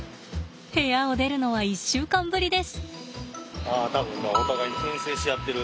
部屋を出るのは１週間ぶりです。